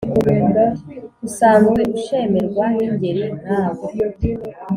usanzwe ushemerwa n'ingeri nkawe